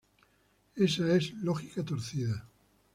Ésa es lógica torcida.